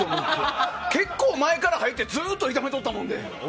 結構前から入ってずっと前から炒めとったもんで。